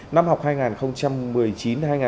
năm học hai nghìn một mươi chín hai nghìn hai mươi